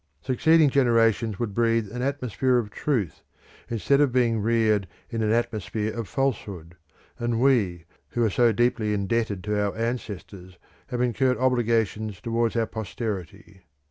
Succeeding generations would breathe an atmosphere of truth instead of being reared in an atmosphere of falsehood, and we who are so deeply indebted to our ancestors have incurred obligations towards our posterity.